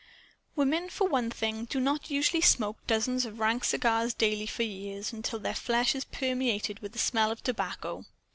Women, for one thing, do not usually smoke dozens of rank cigars daily for years, until their flesh is permeated with the smell of tobacco.